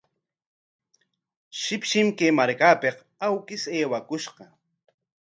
Shipshim kay markapik awkish aywakushqa.